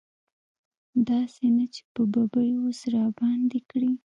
داسې نه چې په ببۍ اوس راباندې کړي.